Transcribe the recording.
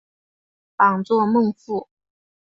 榜作孟富。